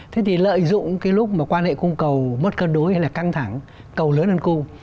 thế thì lợi dụng cái lúc mà quan hệ cung cầu mất cân đối hay là căng thẳng cầu lớn hơn cung